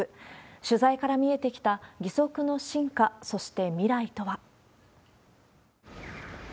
取材から見えてきた義足の進化、そして未来とは。